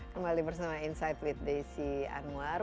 kembali bersama insight with desi anwar